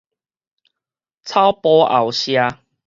草埔後社